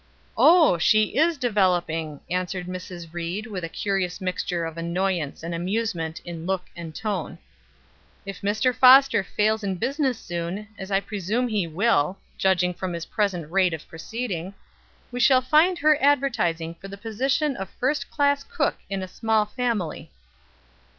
"Oh, she is developing!" answered Mrs. Ried, with a curious mixture of annoyance and amusement in look and tone. "If Mr. Foster fails in business soon, as I presume he will, judging from his present rate of proceeding, we shall find her advertising for the position of first class cook in a small family."